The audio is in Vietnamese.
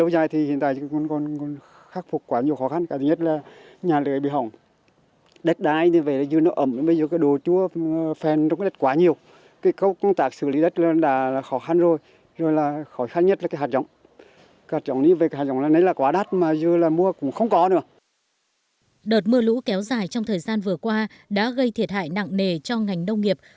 đợt mưa lũ kéo dài trong thời gian vừa qua đã gây thiệt hại nặng nề cho ngành nông nghiệp